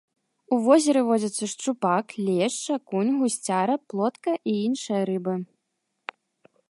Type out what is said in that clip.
У возеры водзяцца шчупак, лешч, акунь, гусцяра, плотка і іншыя рыбы.